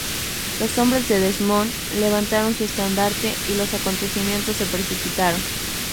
Los hombres de Desmond levantaron su estandarte, y los acontecimientos se precipitaron.